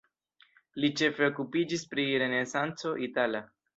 Li ĉefe okupiĝis pri renesanco itala.